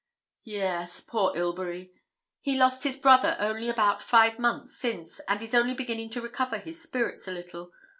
'Yes, poor Ilbury! He lost his brother only about five months since, and is only beginning to recover his spirits a little.